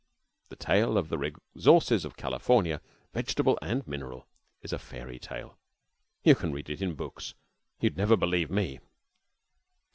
The tale of the resources of California vegetable and mineral is a fairy tale. You can read it in books. You would never believe me.